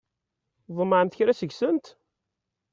Tḍemɛemt kra seg-sent?